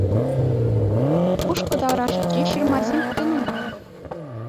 Кушкӑ таврашӗнче ҫырмасем питӗ нумай.